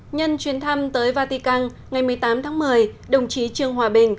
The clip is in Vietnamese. nhân chuyến thăm tới vatican ngày một mươi tám tháng một mươi đồng chí trương hòa bình